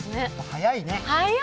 早いね。